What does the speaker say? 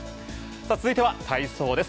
続いては体操です。